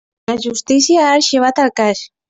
La justícia ha arxivat el cas.